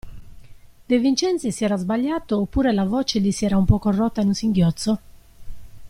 De Vincenzi si era sbagliato oppure la voce gli si era un poco rotta in un singhiozzo?